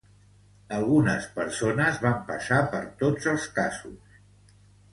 Algunes persones van passar per tots els casos.